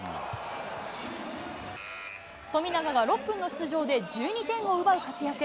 富永は６分の出場で１２点を奪う活躍。